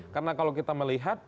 karena kalau kita melihat